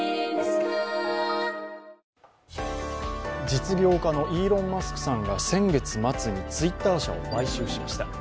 実業家のイーロン・マスクさんが先月末にＴｗｉｔｔｅｒ社を買収しました。